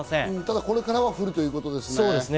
ただ、これからは降るということですね。